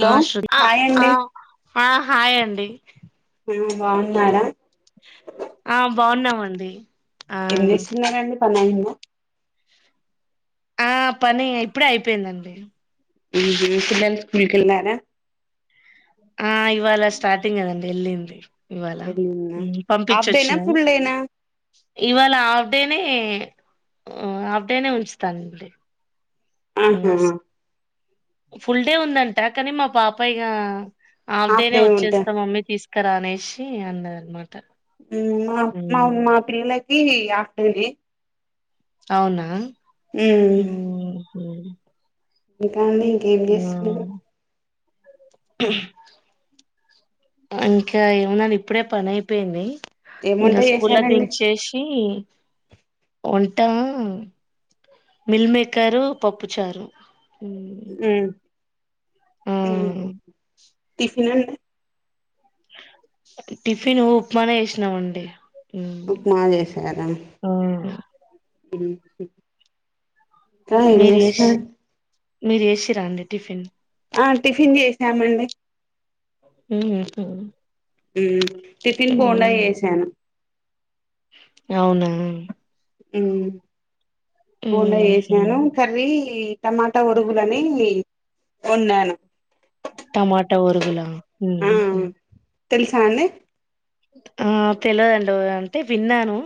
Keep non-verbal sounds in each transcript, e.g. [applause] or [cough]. Hello ఆష్ ఆ hi అండి ఆ హాయ్ అండి ఆ బాగున్నారా ఆ బాగున్నామండి ఆ ఏం చేస్తున్నారండి పనైం ఆ పని ఇప్పుడే అయిపోయిందండి ఉహు పిల్లలు స్కూల్ కెల్లారా ఆ ఇవాళ స్టార్టింగ్ కదండి వెళ్ళింది ఇవాళ వెళ్ళిన్నా హాఫ్ డేనా పంపించొచ్చిన ఫుల్ డేనా అప్పుడేనే అప్పుడేనే ఉంచుతానండి అహ ఇంకా ఫుల్ డే ఉందంట కానీ మా పాప ఇగ హాఫ్ డేనే డే ఉంటా వచ్చేస్తాం మమ్మీ తీస్ క్కరా అనేషి అన్నది అన్మాట మా మా మా పిల్లలకి హాఫ్ డే నే అవునా ఊ ఉ ఇంకాండి ఇంకేం చేస్తున్నారు ఇంకా ఏమన్నాను ఇప్పుడే పని అయిపోయింది ఏం వంట ఇంకా స్కూల్లో చేశారండి దించేసి ఉంటాం మిల్ మేకరు పప్పు చారు ఉ టిఫిన్ అండి టిఫిన్ ఉప్మానే ఏషినామండి ఉప్మా చేసారా ఇంకా ఏం మీరు చేసి చేస్తున్నారు మీరు చేసిర్ర అండి టిఫిన్ ఆ టిఫిన్ చేసినామండి ఉహు టిఫిన్ బొండా చేసాను అవునా బోండా ఉహు చేసినారా కర్రీ టమాటా ఒరుగులని వన్నాను టమాటా ఒరుగులా ఉహు తెల్సా అండి ఆ తెల్వదండి ఒ అంటే విన్నాను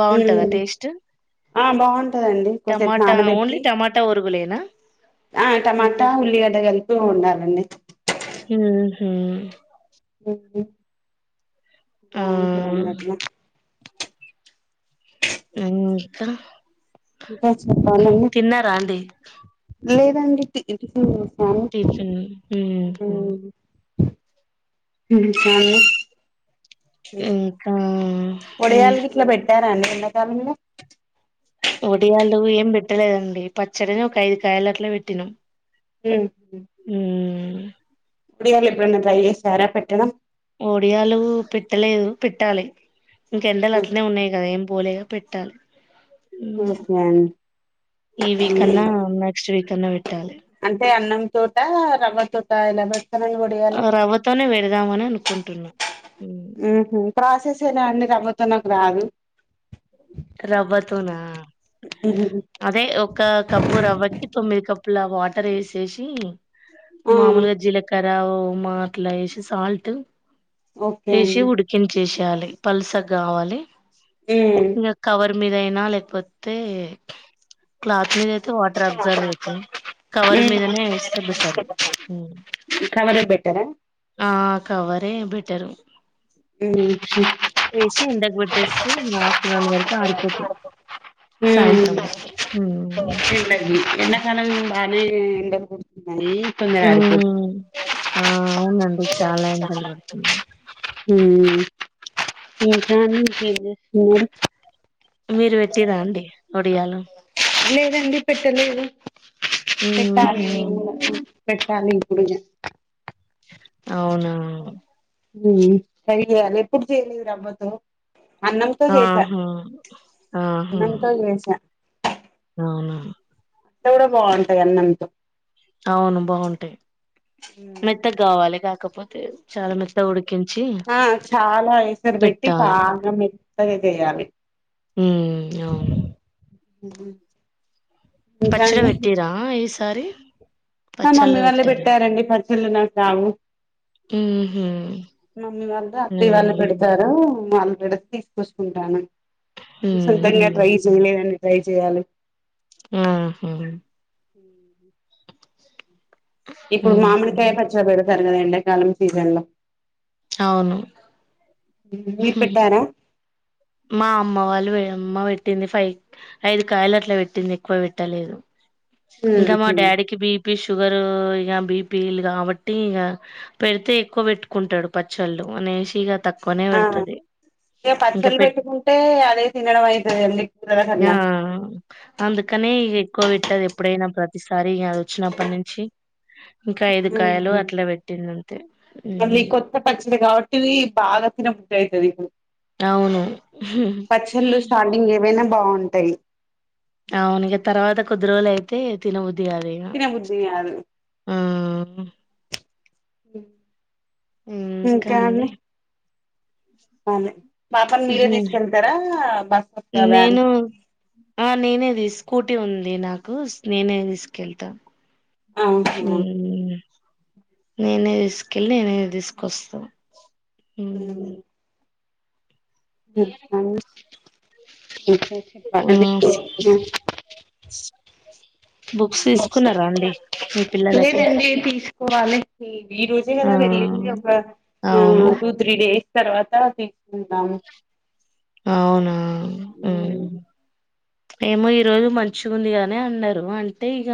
బాగుంటదా ఉమ్. టేస్ట్ ఆ బాగుంటదండి కొసేపు టమాటా ఓన్లీ నానబెట్టి టమాటా ఒరుగులేనా ఆ ఇంకే టమాటా ఉల్లి గడ్డ కలిపి ఉండాలండి ఊ ఆ బాగుంటాదన్నట్ల కడ ఇంకా చెప్పాలండి లేదండి ఇ ఇటు తీర్చున్ ఉ సాల ఇంకా ఏ వడియాలు గిట్ల పెట్టారా అండి ఎండకాలంలో వడియాలు ఏం పెట్టలేదండి పచ్చడిని ఒక ఐదు కాయలు అట్ల పెట్టినాం ఉ ఉమ్, చారా పెట్టణం ఒడియాలు పెట్టలేదు పెట్టాలె. ఇంకెండల్ అట్లనే ఉన్నయి కదా ఏం పోలేగ పెట్టాలె ఓకే అండి ఈ వీకన్నా ఉమ్. నెక్స్ట్ వీక్ అన్నా పెట్టాలి అంటే అన్నం తోట రవ్వ తోట ఎలా పెట్ రవ్వతోనే వెడ్దామని అనుకుంటున్న. మ్ హ్ ప్రాసెస్ ఎలా అండి రవ్వతో నాకు రాదు. రవ్వతోనా? అదే ఒక కప్పు రవ్వకి తొమ్మిది కప్పుల వాటర్ ఏసేసీ ఆ మాముల్గా జీలకర, ఓమా అట్ల ఏసి సాల్ట్ ఓకే ఏసి అండి ఉడికించేసేయాలి పల్సగావాలి ఇగ కవర్ మీదైనా లేక్పోతే క్లాత్ మీద తే వాటర్ అబ్జర్వ్ అయితయి కవర్ ఉమ్ మీదనే ఏస్తే బెటర్ కవరే బెటరా? అదే బెటరు. మ్ ఏసి ఎండకు పెట్టేసి [unintelligible] ఆరిపోతయి సాయ త్రం ఉమ్ వరకి మ్ ఎండకి ఎండకాలం బానే ఎండలు కొడుతున్ మ్ ఆ అవునండి చాలా ఎండల్ కొడుతున్నయి. మ్ ఇంకా అండి ఇంకేం చేస్తున్నరు? మీరు పెట్టింరా అండి ఒడియాలు లేదండి పెట్టలేదు పెట్టాలి ఉహు నేన్ గుడ పెట్టాలి ఇప్పుడు ఇగ అవునా ట్రై చేయాలి ఎప్పుడు చేయలేదు రవ్వతో అన్నంతో చేసా, ఆహా ఆహా అన్నంతో చేసా అవునా అట్ట గుడా బాగుంటద్ అన్నంతో అవును బాగుంటయి. మెత్తగావాలె కాకపోతే చాలా మెత్త ఉడి ఆ చాలా ఎసర్ పెట్టి పెట్టాలి బాగా మెత్తగ చేయాలె మ్ అవును. మ్ పచ్చడ పెట్టీరా ఈసారి మా మమ్మీ పచ్చళ్ళు వాళ్ళే పెట్టారా పెట్టారండి పచ్చళ్లు నాక్ రావు. ఉహు మమ్మీ వాళ్ళు, అత్తయ్య వాళ్ళు ఉహు పెడ్తారు వాళ్ళు పెడ్తే తీస్కొచ్చుకుంటాను. ఉహు సొంతంగా ట్రై చేయలేదం ట్రై చేయాలి. ఆ హ ఇప్పుడు హుహు. మామిడికాయ పచ్చడ పెడతారు కదా ఎండాకాలం సీజన్లో అవును మీర్ పెట్టారా? మా అమ్మ వాళ్ళు వే అమ్మ పెట్టింది ఫైవ్ ఐదు కాయల్ అట్ల పెట్టింది ఎక్కువ పెట్టలేదు. ఇంకా మా ఉహు డాడీకి బీపీ షుగర్ ఇగ బీపీల్ కాబట్టి ఇగ పెడ్తే ఎక్కువ పెట్టుకుంటడు పచ్చళ్ళు అ కనేసి ఇగ తక్కువనే ఆ పెడ్తది ఇక ఇంక పచ్చళ్ళు పెట్ పెట్టుకుంటే అదే తినడం అయితది అండి కూరల యా కన్నా అందుకనే ఇగే కోవేట్టి ఎప్పుడైనా ప్రతిసారి అద్ ఒచ్చినప్పన్ నుంచి ఇంకా ఐదు కాయలు ఊహుమ్ అట్లా పెట్టింది అంతే ఉమ్, మళ్ళీ కొత్త పచ్చడ్ గావట్టి ఇవి బాగా తినబుద్ది ఐతది ఇప్పుడు అవును పచ్చళ్ళు స్టార్టింగ్ ఏవైనా బాఉం ఉంటాయ్ ఔన్ ఇగా తర్వాత కొద్ది రోజూల్ ఐతే తినబుద్ దే ఆ దిగ తినబుద్ధి కాదు ఔను ఊమ్ కాండీ వాలే పాపన్ మీరే దిస్ నే- కెళ్తారా బస్ కోతా వ్యాన్ కూటీ ఉంది నాకు ఉస్ నేనే దిస్ కెళ్తా ఔనా నేనే దిస్ కెళ్ళి నేనే దిస్ కొస్స ఉమ్ ఉమ్ ఆని ఉహ్ మీర్ ఆ చెప్పలండి హ్ ఆ బుక్స్ తిస్ కున్నారండి మీ పిల్లలకి పోవాలే ఈ ఈ రోజే ఆ కదా వెళ్ళింది ఒక యా అవును టూ త్రీ డే తర్వాత తీసుకుంటాము అవునా ఉమ్ ఏమో ఈ రోజు మంచి ఉందిగానే అన్నారు అంటే ఇగ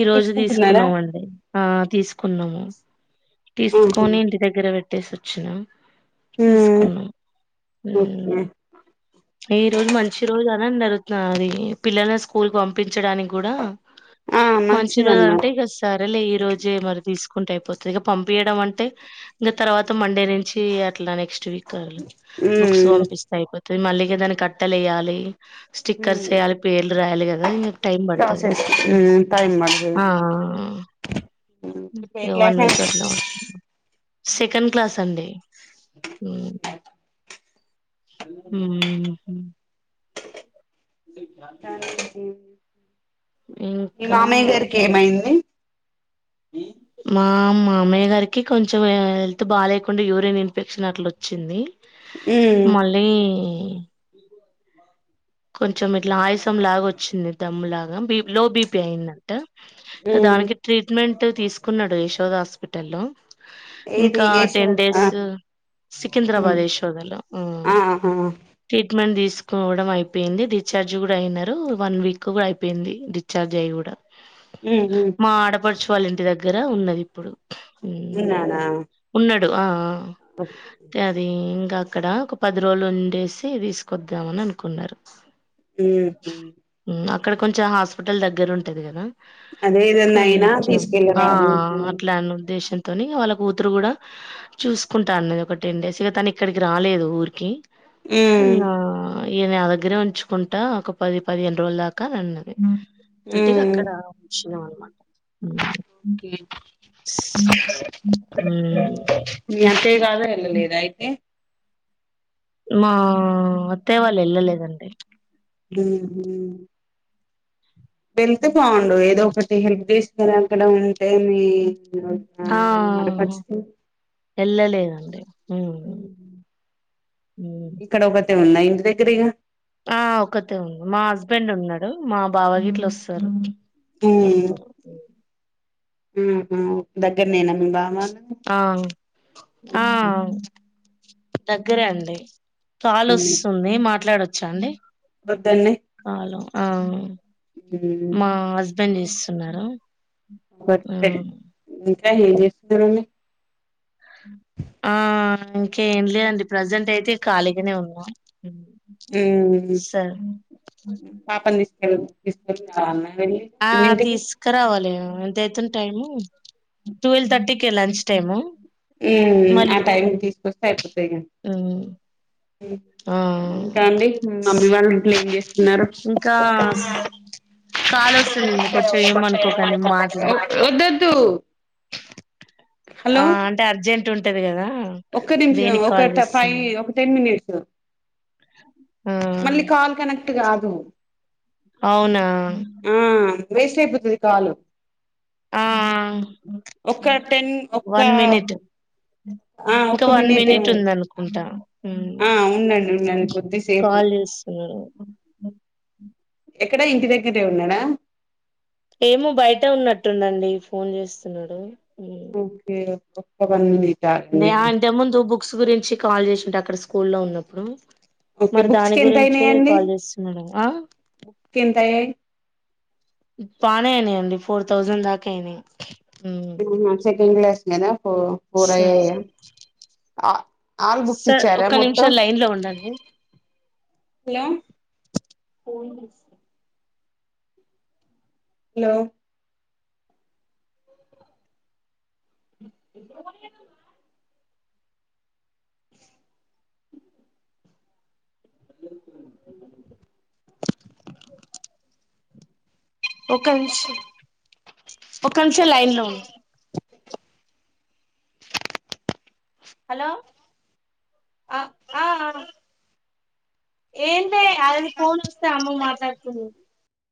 ఈ రోజు తీసుకుంటున్నారా దిసుకున్నావండి ఆ తీస్ కున్నము తీస్ ఆహా కొని ఇంటి దగ్గర వేట్టేసోచ్చిన తీసుకున్నాం ఓకే ఉమ్ ఈ రోజు మంచి రోజు అనన్ డారుత్ నాది అది పిల్లల స్కూల్ పంపించడానీ క్ గుడా ఆ మంచి రోజు మంచిదన్నారు అంటే ఇగ సార్ రేలే ఈ రోజే మర్ తీస్ కుంటే ఐపోతిగ పంపీయడం అంటే ఇంగ తర్వాత మండే నే చి అట్లా నెక్స్ట్ వీక్ కల్ బుక్స్ పంపిస్తే ఐపోతది మళ్ళీగా దాన్ అట్టలేయ్యాలి స్టిక్కర్స్ ఏయాలి పేర్లు రాయాలి గదా ఇగ టైమ్ బడతది టైమ్ పడతది ఆ ఆ ఇప్పుడు ఏ వన్ క్లాస్ విక్ అయినా అట్లా సెకెన్ క్లాసండి ఉమ్ ఉమ్ కన్ కిమ్ మీ ఇంకా మామై గార్కి ఏమైంది మా మా మామ్మయ్య గార్కి కొంచెం వ్య హెల్త్ బాలేకుండే యూరిన్ ఇన్ఫెక్షన్ అట్లోచ్చింది ఉమ్ మళ్ళి కొంచెం ఇట్లా ఆయాసం లాగా ఓచ్చింది దమ్ములాగా బీప్ లో బీపి ఐదంట ఉమ్ దానికి ట్రీట్మెంటు తీసుకున్నడు యశోద్ హాస్పటల్ లో ఏది ఇంకా యశోద టెన్ ఆ డేసు ఉమ్ సికింద్రాబాద్ యశోద లో ఉమ్ ఆ ఆ ట్రీట్ మెంట్ దీసు స్ కోవడం ఐపెయింది డిఛార్జ్ గుడా ఐనరు వన్ వీక్ కూ ఐపెంది డిచార్జ్ ఐగూడా ఉమ్ ఉమ్ మా ఆడపడ్చ్ వాళ్ ఇంటి దగ్గర ఉన్నదిప్పుడు ఇనానా డూ ఆ ఆ గది ఉమ్ ఇంకా అక్కడ ఒక పది రోజులు ఉండేసి తీసుకొద్దాం అని అనుకున్నారు మ్ హు ఉమ్, అక్కడ కొంచం హాస్పిటల్ దగ్గర ఉంటది కదా అదే ఏదన్నా అయినా కొంచెం ఆ తీసుకెళ్ళరానికి అట్లన్న ఉద్దేశం తిని వాళ్ళ కూతురు కూడా చూసుకుంటా అన్నది ఒక టెన్ డేస్ ఇగ తను ఇక్కడికి రాలేదు ఊరికి ఉమ్ ఇంగ యియనే అగడ్ దగ్గరే ఉంచుకుంటా ఒక పది పదిహేను రోజుల దాకా అన్నది అంటిగా ఉమ్ అక్కడ వచ్చిన మ్ మీ అత్తేయ్య కాదని ఏళ్ళ లేద అయితే మా అత్తయ్య వాళ్ళు ఏళ్ళలేదండి మ్ హు వెళ్తే బాగుండు ఏదో ఒకటి హెల్ప్ చేస్తారక్కడ టేమి ఆడపడుచుకు ఏళ్లలేదండి మ్ తే ఉందా ఇంటి దగ్గరిగ ఆ ఒకతే ఉంది మా హస్బెండ్ ఉన్నాడు మా బావగిట్లోస్తారు ఎల్తారు మ్ హు దగ్గరనేన మీ బావ్ ఆ ఆ దగ్గరే అండి కాల్ వస్తుంది మాట్లాడొచ్చా అండి వద్దన్నే కాలు ఆ మా హస్బెండ్ చేస్తున్నారు ఒకే ఉమ్. ఇంకా ఏం చేస్తున్నారండి ఆ ఇంకేం లేదండి ప్రజెంట్ అయితే ఖాళీగానే ఉన్నా ఉమ్. మ్ సరే పాపని తీసుకొని రావాల్నా వెళ్ళి ఆ ఎన్నింటికి తీసుకురావాలి దైతుంది టైము ట్వెల్్ థర్టీకే లంచ్ టైము మ్ ఆ మళ్ళీ టైం తీసుకొస్తే అయిపోతాదిగ ఉమ్. మ్ ఆ ఇంకా అండి మీ మమ్మీ వాళ్ళు గిట్ల ఏం చేస్తున్నారు ఇంకా కాల్ వస్తుంది కొంచెం ఏమనుకోకండి మాట్లా వద్దద్దుూ హలో టే అర్జెంట్ ఉంటది కదా ఒక్క నిమిషం దేనికి ఒక కాల్ ఫైవ్ చేస్తున్నాను ఒక టెన్ మినిట్స్ ఆ మళ్ళీ కాల్ కనెక్ట్ కాదు అవునా ఆ వేస్ట్ అయిపోతది కాలు ఆ ఒక్క టెన్ ఒక్క వన్ మీనిట్ ఆ ఇంకా ఒక్క వన్ మినిట్ ఏమో ఉందనుకుంటా మ్ ఆ ఉండండి ఉండండి కొద్దిసేపు కల్ చేస్తున్నారు త్ ఉన్నాడా ఏమో బయట ఉన్నట్టుందండి ఫోన్ చేస్తున్నాడు ఓకే [unintelligible] ఉంది డే ఇంత ముందు బుక్స్ గురించి కాల్ చేసింటే అక్కడ స్కూల్ లో ఉన్నప్పుడు ఓకే మరి బుక్స్ దాని కి ఎంత గురించే అయినాయండి కాల్ చేస్తున్నాడో ఎంత అయ్యాయి బానే అయినాయండి ఫోర్ థౌజండ్ దాకా అయినాయి అహ సెకండ్ క్లాస్ కేనా ఫో ఫోర్ సార్ అయ్యాయ ఆల్ బుక్స్ సార్ ఇచ్చారా ఒక్క మొత్తం నిమిషం లైన్ లో ఉండండి ఫోన్ చేస్ హలో ఒక నిమిష్ ఒక నిమిషం లైన్ లో ఉండు హలో ఆ ఆ ఏంటే అదేదో ఫోన్ వస్తే అమ్మ మాట్లాడుతుంది